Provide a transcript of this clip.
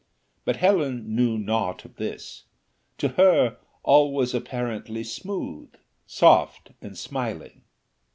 But Helen knew nought of this: to her all was apparently soft, smooth, and smiling.